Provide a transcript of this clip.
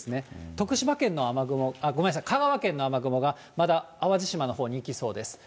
徳島県の雨雲、ごめんなさい、香川県の雨雲がまだ淡路島のほうに行きそうです。